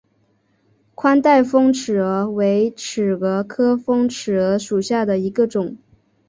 宽带峰尺蛾为尺蛾科峰尺蛾属下的一个种。